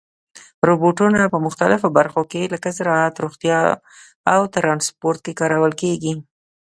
روبوټونه په مختلفو برخو کې لکه زراعت، روغتیا او ترانسپورت کې کارول کېږي.